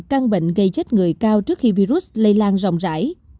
căn bệnh gây chết người cao trước khi virus lây lan rộng rãi